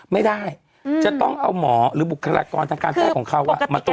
ไม่ได้จะต้องเอาหมอหรือบุคลากรทางการแพทย์ของเขามาตรวจ